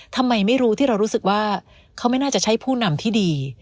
ทำไมไม่รู้ที่เรารู้สึกว่าเขาไม่น่าจะใช่ผู้นำที่ดี